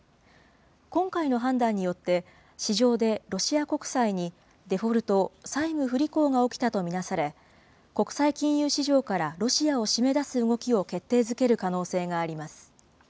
今回の判断によって、市場でロシア国債にデフォルト・債務不履行が起きたと見なされ、国際金融市場からロシアを締め出す動きを決定づける可能性があります。